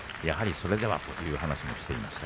それでは、という話を北勝富士はしていました。